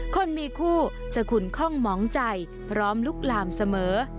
คนมีคู่จะขุนคล่องหมองใจพร้อมลุกลามเสมอ